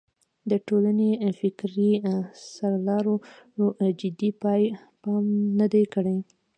د ټولنې فکري سرلارو جدي پام نه دی کړی.